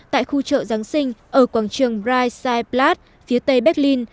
tại khu chợ giáng sinh ở quảng trường breitscheidplatz phía tây berlin